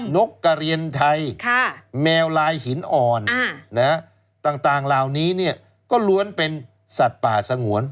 นกกระเรียนไทยแมวลายหินอ่อนต่างเหล่านี้ก็ล้วนเป็นสัตว์ป่าสงวน